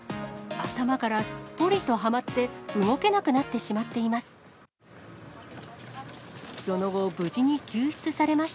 頭からすっぽりとはまって、動けなくなってしまっています。